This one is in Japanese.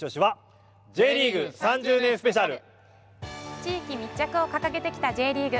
地域密着を掲げてきたＪリーグ。